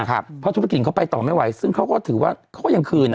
เพราะธุรกิจเขาไปต่อไม่ไหวซึ่งเขาก็ถือว่าเขาก็ยังคืน